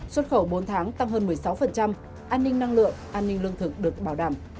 xuất khẩu bốn tháng tăng hơn một mươi sáu an ninh năng lượng an ninh lương thực được bảo đảm